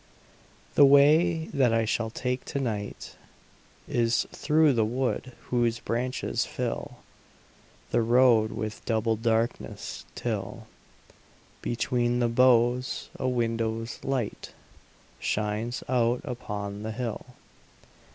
The way that I shall take to night Is through the wood whose branches fill The road with double darkness, till, Between the boughs, a window's light Shines out upon the hill.